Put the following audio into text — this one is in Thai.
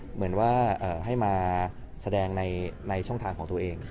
เหมือนว่าให้มาแสดงในช่องทางของตัวเอง